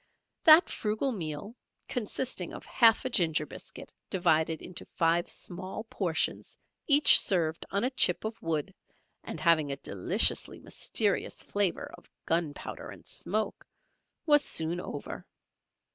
That frugal meal consisting of half a ginger biscuit, divided into five small portions each served on a chip of wood, and having a deliciously mysterious flavour of gunpowder and smoke, was soon over.